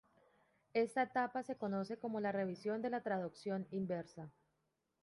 Esta etapa se conoce como la revisión de la traducción inversa.